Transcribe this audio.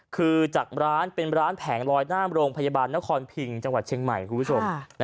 คือจากร้านเป็นร้านแผงลอยหน้าโรงพยาบาลนครพิงจังหวัดเชียงใหม่คุณผู้ชม